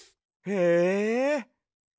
へえ！